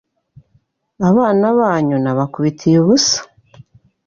Abana banyu nabakubitiye ubusa,